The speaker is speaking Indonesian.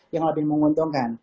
yang lebih menguntungkan